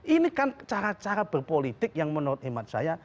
ini kan cara cara berpolitik yang menurut hemat saya